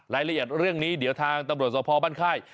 รายละเอียดเรื่องนี้เดี๋ยวทางตำรวจสภบ้านค่าย